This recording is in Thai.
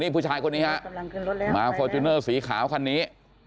ผู้ชายคนนี้ฮะมาฟอร์จูเนอร์สีขาวคันนี้